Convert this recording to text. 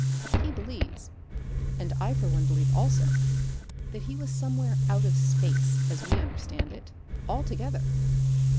He believes, and I for one believe also, that he was somewhere out of space, as we understand it, altogether.